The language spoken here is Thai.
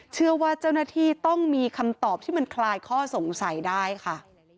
เชื่อว่าเจ้าหน้าที่ต้องมีคำตอบที่มันคลายข้อสงสัยได้ค่ะ